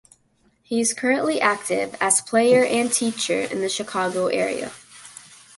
He is currently active as player and teacher in the Chicago area.